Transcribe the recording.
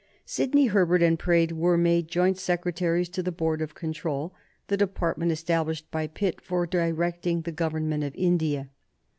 Sidney Herbert and Praed were made joint Secretaries to the Board of Control, the department established by Pitt for directing the Government of India.